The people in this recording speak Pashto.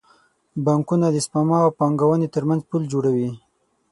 بانکونه د سپما او پانګونې ترمنځ پل جوړوي.